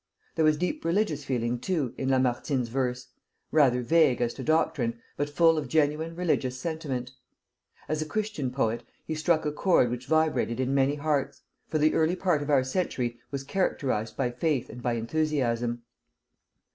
There was deep religious feeling, too, in Lamartine's verse, rather vague as to doctrine, but full of genuine religious sentiment. As a Christian poet he struck a chord which vibrated in many hearts, for the early part of our century was characterized by faith and by enthusiasm.